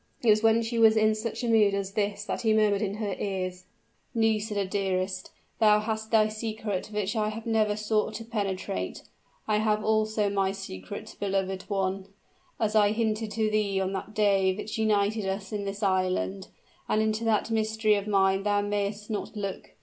It was when she was in such a mood as this that he murmured in her ears, "Nisida dearest, thou hast thy secret which I have never sought to penetrate. I also have my secret, beloved one, as I hinted to thee on that day which united us in this island; and into that mystery of mine thou mayest not look.